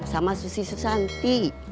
sama susi susanti